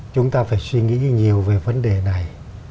chúng ta phải suy nghĩ nhiều về vấn đề này